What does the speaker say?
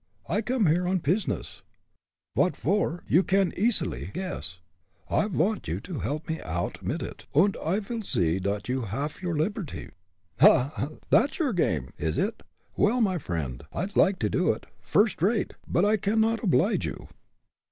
"I come here on pizness vot for, you can easily guess. I vant you to helb me oud mit it, und I vil see dot you haff your liberty." "Ha! ha! that's your game, is it? Well, my friend, I'd like to do it, first rate, but I can not oblige you."